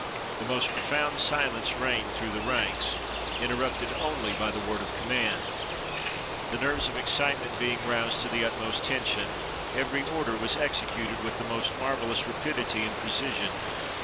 The most profound silence reigned through the ranks, interrupted only by the word of command. The nerves of excite ment being roused to the utmost tension, every order was executed with most marvelous rapidity and preci sion.